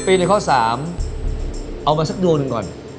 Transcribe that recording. ๗๐ปีไหนข้อ๓เอามาสักโดนก่อน